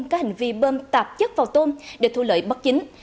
có hành vi bơm tạp chất vào tôm để thu lợi bất chính